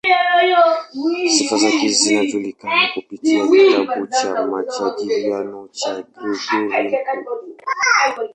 Sifa zake zinajulikana kupitia kitabu cha "Majadiliano" cha Gregori Mkuu.